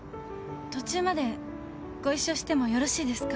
途中までご一緒してもよろしいですか？